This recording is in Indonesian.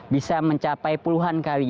bisa mencapai puluhan kali